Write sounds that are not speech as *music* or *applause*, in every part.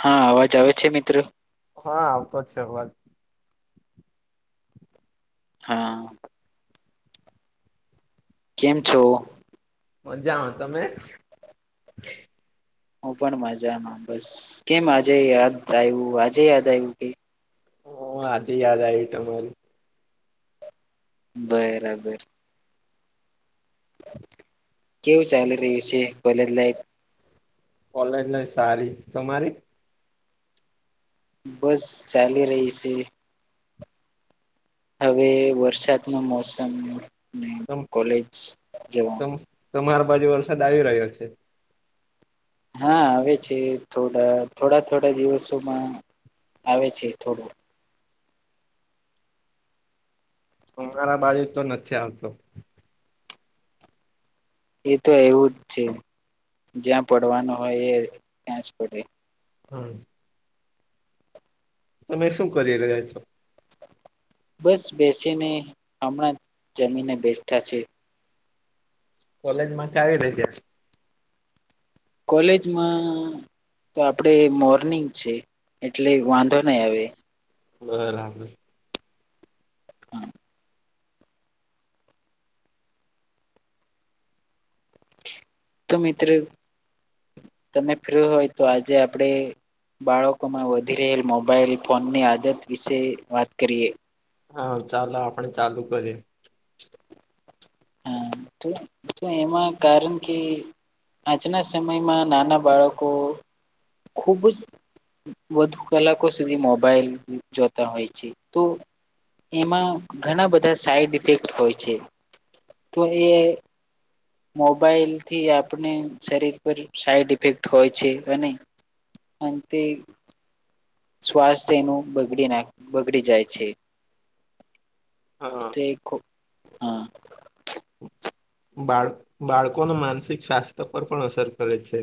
હા અવાજ આવે છે મિત્ર હા આવતો જ છે અવાજ. હા. કેમ છો? મજામાં તમે હું પણ મજામાં બસ કેમ આજે યાદ આવ્યું આજે યાદ આયવુ કે હ આજે યાદ આયવી તમારી બરાબર. કેવું ચાલી રહ્યું છે કોલેજ લાઈફ કોલેજ લાઈ સારી તમારી બસ ચાલી રહી છે. હવે વરસાદ નો મોસમને તમ કોલેજ જવા તમ તમારા બાજુ વરસાદ આવી રહ્યો છે હા આવે છે થોડા થોડા થોડા દિવસોમાં આવે છે થોડું *unintelligible* બાજુ તો નથી આવતો. એ તો એવું જ છે જ્યાં પડવાનું હોય એ ત્યાં જ પડે. હમ્મ. તમે શું કરી રહ્યા છો? બસ બેસીને હમણાં જમીને બેઠા છે. કોલેજ માંથી આવી *unintelligible* કોલેજમાં તો આપણેે મોર્નિંગ છે એટલે વાંધો નય આવે બરાબર. *inaudible* તો મિત્ર તમે ફ્ર હોય તો આજે આપણેે બાળકોમાં વધી રહેલ મોબાઈલ ફોનની આદત વિશે વાત કરીએ. હા ચાલ આપણે ચાલુ કરીએ. હા તો એમાં કારણ કે આજના સમયમાં નાના બાળકો ખુબ જ વધુ કલાકો સુધી મોબાઈલ જોતા હોય છે તો એમાં ઘણા બધા સાઈડ ઇફેક્ટ હોય છે તો એ મોબાઈલ થી આપણે શરીર પર સાઈડ ઇફેક્ટ હોય છે *unintelligible* અન તે સ્વાસ્થ્યનું બગડી નાખ બગડી જાય છે. હા તેખ હા. બાળ બાળકોના માનસિક સ્વાસ્થ્ય પર પણ અસર કરે છે.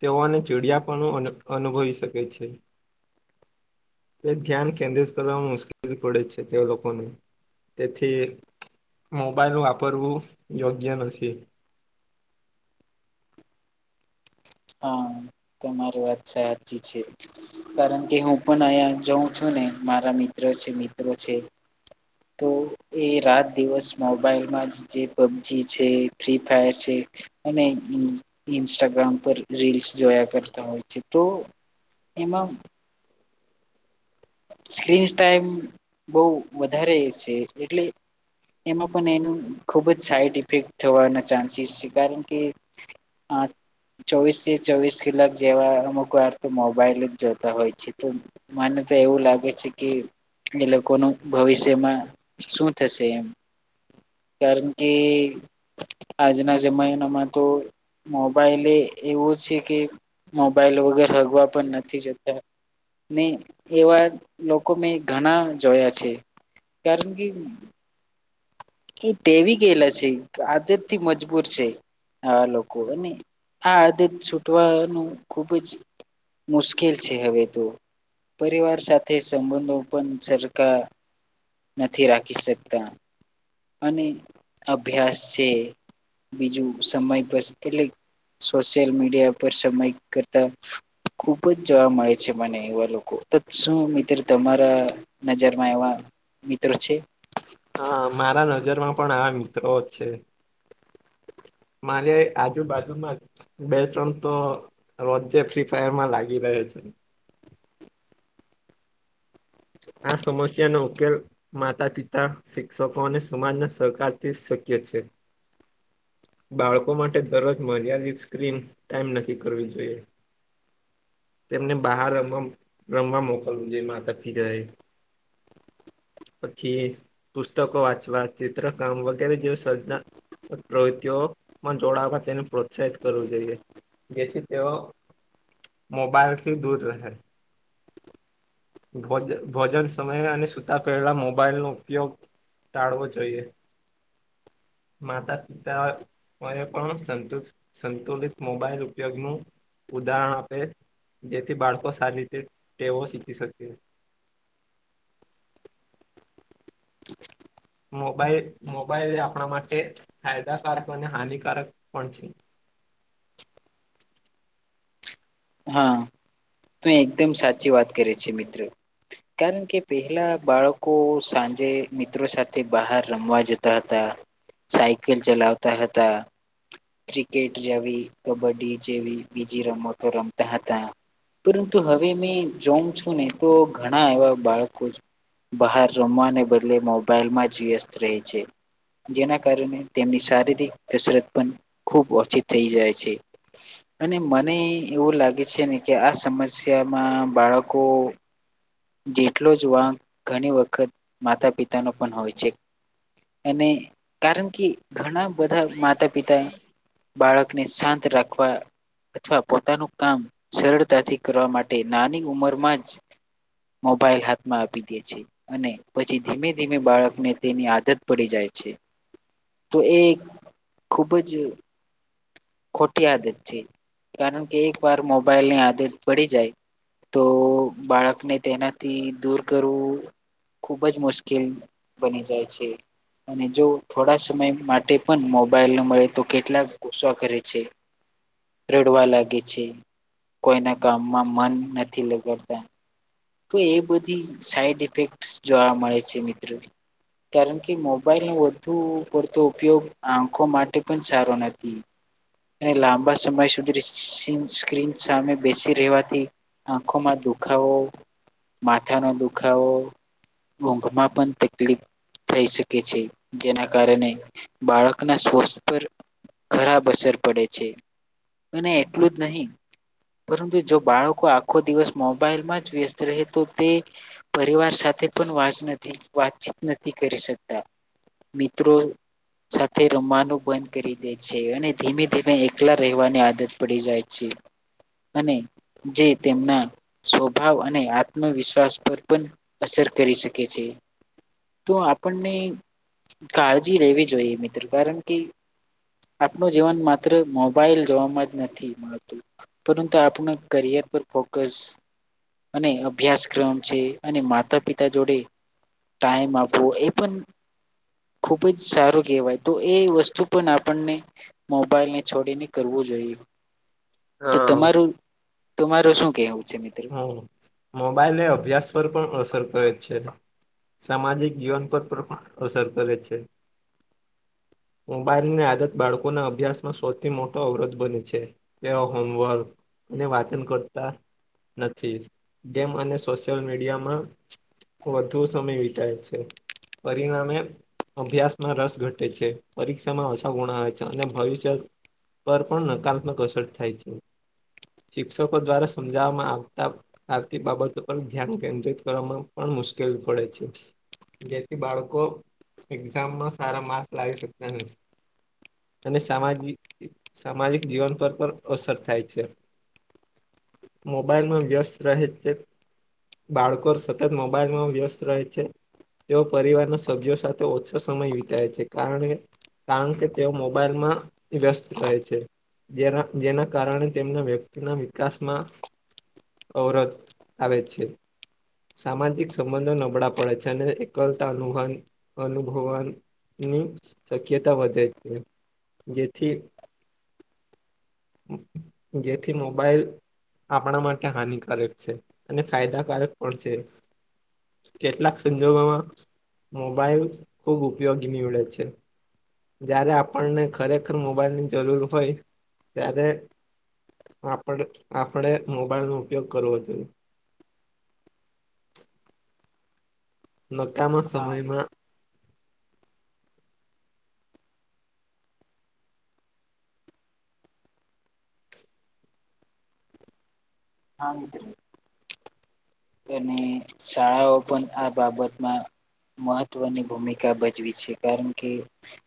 તેઓને ચીડિયાપનું અનુભવી શકે છે. તે ધ્યાન કેન્દ્રિત કરવામાં મુશ્કેલ પડે છે તે લોકોને. તેથી મોબાઈલ વાપરવું યોગ્ય નથી. હા તમારી વાત સાચી છે કારણ કે હું પણ અહિયાં જઉં છું. મારા મિત્ર છે મિત્રો છે. તો એ રાત દિવસ મોબાઈલમાં જ જે પબજી છે ફ્રી ફાયર છે. અને ઇન્સ્ટાગ્રામ પ રીલ્સ જોયા કરતા હોય છે તો એમાં સ્ક્રીન ટાઈમ બઉ વધારે છે એટલે એમાં પણ એનું ખૂબ જ સાઈડ ઇફેક્ટ થવાના ચાન્સીસ છે કારણ કે હા. ચોવીસથી ચોવીસ કલાક જેવા અમુક વાર તો મોબાઈલ જ જોતા હોય છે તો મ ને એવું લાગે છે કે એ લોકોનું ભવિષ્યમાં શું થશે એમ. કારણ કે આજના જમાનામાં તો મોબાઈલ એવું છે કે મોબાઈલ વગર હગવા પણ નથી જતા. ને એવા લોકો મેં ઘણા જોયા છે કારણ કે કે વી ગયલા છે આદત થી મજબૂર છે. હ લોકો અને આ આદત છૂટવાનું ખુબ જ મુશ્કેલ છે હતું. પરિવાર સાથે સંબંધો પણ સરખા નથી રાખી શકતા. અને અભ્યાસ છે. બીજું સમય પર કેટક સોશિયલ મીડિયા પર સમય કરતા ખુબ જ જોવા મળે છે મને એવા લોકો શું મિત્ર તમારા નજરમાં એવા મિતર છે. હા મારા નજરમાં પણ આ મિત્રો જ છે. મારે આજુબાજુમાં બે ત્રણ તો રોજે ફ્રી ફાયર માં લાગી રહ્યો. *inaudible* *inaudible* આ સમસ્યાનો ઉકેલ માતા પિતા શિક્ષકો અને સમાજના સહકારથી શક્ય છે. *inaudible* બાળકો માટે દરજ મર્યાદિત સ્ક્રીન ટાઈમ નક્કી કરવી જોઈએ. તેમને બહાર રમવા રમવા મોકલવું જોઈ માતા પિતા એ *inaudible* પછી પુસ્તકો વાંચવા ચિત્રકામ વગેરે જેવ સર્જાન પ્રવૃત્તિઓમાં જોડાવતા તેને પ્રોત્સાહિત કરવું જોઈએ. જેથી તેઓ મોબાઈલ થી દૂર રહે. ભોજન સમય અને સુતા પહેલા મોબાઈલ નો ઉપયોગ ટાળવો જોઈએ માતા પિતા અ એ પણુ સંતુલિત મોબાઈલ ઉપયોગ નું ઉદાહરણ આપે જેથી બાળકો સારી રીતે ટેવો શીખી શકે *inaudible* મોબાઈલ મોબાઈલ એ આપણા માટે ફાયદાકારક અને હાનિકારક પણ છે *unintelligible* હા તું એકદમ સાચી વાત કરે છે મિત્રો કારણ કે પેલા બાળકો સાંજે મિત્રો સાથે બહાર રમવા જતા હતા સાયકલ ચલાવતા હતા ક્રિકેટ જેવી કબડ્ડી જેવી બીજી રમતો રમતા હતા પરંતુ હવે મે જોમ છું ને તો ઘણા એવા બાળકો બહાર રમવાને બદલે મોબાઈલમાં જ વ્યસ્ત રહે છે જેના કારણે તેમની શારીરિક કસરત પણ ખૂબ ઓછી થઈ જાય છે અને મને એવું લાગે છે ને કે આ સમસ્યામાં બાળકો જેટલો જ વાંક ઘણી વખત માતા પિતાનો પણ હોય છે અને કારણ કે ઘણા બધા માતા પિતા બાળકને શાંત રાખવા અથવા પોતાનું ક સરળતાથી કરવા માટે નાની ઉંમરમાં જ મોબાઈલ આપી દે છે અને પછી ધીમે ધીમે બાળકને તેની આદત પડી જાય છે તો એ ખૂબ જ ખોટી આદત છે કારણ કે એક વાર મોબાઈલની આદત પડી જાય તો બાળકને તેનાથી દૂર કરવું ખુબ જ મુશ્કેલ બની જાય છે અને જો થોડા સમય માટે પણ મોબાઈલ મળે તો કેટલાક ગુસ્સા કરે છે પ છે રડવા લાગે છે કોઈના કામમાં મન નથી લગાડતા તો એ બધી સાઈડ ઇફેક્ટ જોવા મળે છે મિત્રો કારણ કે મોબાઈલનો વધુ પડતો ઉપયોગ આંખો માટે પણ સારો નથી અને લાંબા સમય સુધી સ્ક્રીન સામે બેસી રહેેવાથી આંખોમાં દુખાવો માથાનો દુખાવો ઊંઘમાં પણ તકલીફ થઈ શકે છે જેના કારણે બાળકના સ્ોર્સ પર ખરાબ અસર પડે છે અને એટલું જ નહીિ પરંતુ જો બાળકો આખો દિવસ મોબાઈલમાં જ વ્યસ્ત રહે તો તે પરિવાર સાથે પણ વા નથી વાતચીત નથી કરી શકતા મિત્રો સાથે રમવાનું બંધ કરી દે છે અને ધીમે તે એકલા રહેવાની આદત પડી જાય છે અને જે તેમના સ્વભાવ અને આત્મવિશ્વાસ પર પણ અસર કરી શકે છે તો આપણને કાળજી લેવી જોઈએ મિત્રો કારણ કે આપણું જીવન માત્ર મા મોબાઈલ જોવામાં જ નથી મળતું પરંતુ આપણ કરિયર પર ફોકસ અને અભ્યાસક્રમ છે અને માતા પિતા જોડે ટાઈમ આપવો એ પણ ખુબ જ સારું કહેવાય તો એ વસ્તુ પણ આપણને મો મોલ ને છોડીને કરવું જોઈએ તો હા તમારું તમારું શું કેવું હમ મોબાઈલ એ અભ્યાસ પર પણ અસર કરે છે સામાજિક જીવન પરમા અસર કરે છે મોબાઈલની આદત બાળકોના અભ્યાસમાં સૌથી મોટો અવરોધ બને છે તેઓ હોમવર્ક અને વાચન કરતા નથી ગેમ અને સોશિયલ મીડિયામાં વધુ સમય વિતાય છે. પરિણામે અભ્યાસમાં રસ ઘટે છે પરીક્ષામાં ઓછા ગુણ આવે છે અને ભવિષ્ય પર પણ નકારાત્મક અસર થાય છે. શિક્ષકો દ્વારા સમજાવવામાં આવતા આવતી બાબતો પર ધ્યાન કેન્દ્રિત કરવામાં પણ મુશ્કેલ પડે છે. જેથી બાળકો એક્ઝામમાં સારા માર્ક લાવી શકે. નહી. અને સામાજ સામાજિક જીવન પર પણ અસર થાય છે. મોબાઈલમાં વ્યસ્ત રહે છે બાળકો સતત મોબાઈલમાં વ્યસ્ત રહે છે. તેઓ પરિવારના સભ્યો સાથે ઓછો સમય વિતાય છે કારણ કે કારણ કે તેઓ મોબાઈલમાં વ્યસ્ત રહે છે. જેના જેના કારણે તેમના વ્યક્તિના વિકાસમાં અવરોધ આવે છે. સામાજિક સંબંધો નબળા પડે છે અને એકલતા અનુભાની અનુભવન ની શક્યતા વધે છે. જેથી જેથી મોબાઈલ આપણા માટે હાનિકારક છે અને ફાયદાકારક પણ છે. કેટલાક સંજોગોમાં મોબાઈલ ખૂબ ઉપયોગી નીવડે છે. જયારે આપણને ખરેખર મોબાઈલની જરૂર હોય ત્યારે આપણે આપણે મોબાઈલનો ઉપયોગ કરવો જોઈએ. *inaudible* નકામા હા સમયમાં આ મિતે તેને શાળાઓ પણ આ બાબતમાં મહત્વની ભૂમિકા ભજવી છે. કારણ કે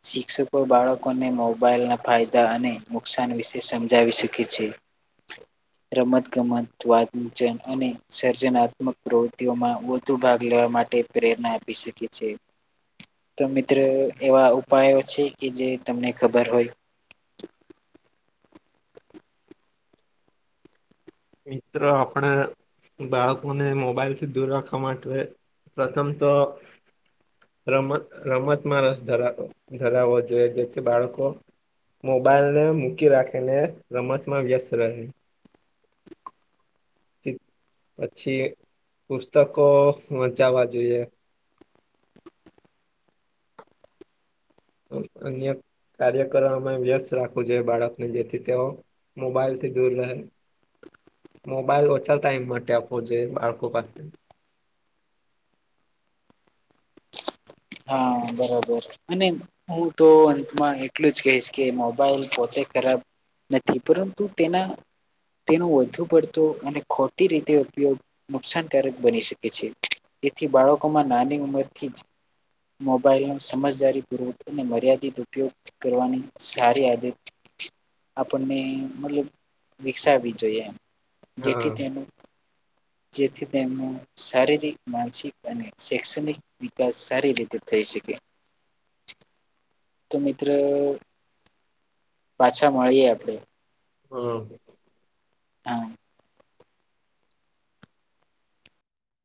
શિક્ષકો બાળકોને મોબાઈલ ના ફાયદા અને નુકસાન વિશે સમજાવી શકે છે. રમત ગમત, વાદજન અને સર્જના મક પ્રવૃત્તિઓમાં વધુ ભાગ લેવા માટે પ્રેરણા આપી શકે છે. તો મિત્રો એવા ઉપાયો છે કે જે તમને ખબર હોય? *unintelligible* *unintelligible* મિત્રો આપણે બાળકોને મોબાઈલ થી દૂર રાખવા માટે પ્રથમ તો રમત રમતમાં રસ ધરા ધરાવવો જોઈએ જેથી બાળકો મોબાઈલને મૂકી રાખીને રમતમાં વ્યસ્ત રહે. ચિત પછી પુસ્તકો મચાવા જોઈએ. તો અન્ય કાર્ય કરવામાં વ્યસ્ત રાખવું જોઈએ બાળકને જેથી તેઓ મોબાઈલથી દૂર રહે. *unintelligible* મોબાઈલ ઓછા ટાઈમ માટે આપવો જોઈએ બાળકો પાસે. *inaudible* હા, બરાબર અને હું તો અંતમાં એટલું જ કહીશ કે મોબાઈલ પોતે ખરાબ નથી પરંતુ તેના તેનો વધુ પડતું અને ખોટી રીતે ઉપયોગ નુકસાનકારક બની શકે છે. તેથી બાળકોમાં નાની ઉંમરથી જ મોબાઈલનો સમજદારી પૂર્વક અને મર્યાદિત ઉપયોગ કરવાની સારી આદત આપણને મતલબ વિકસાવવી જોઈએ એમ. હા જેથી તેનું જેથી તેમનો શારીરિક, માનસિક અને શૈક્ષણિક વિકાસ સારી રીતે થઈ શકે. તો મિત્ર પાછા મળીએ આપડે. હમ હા